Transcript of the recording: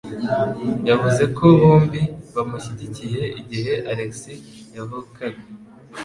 Yavuze ko bombi bamushyigikiye igihe Alex yavukaga.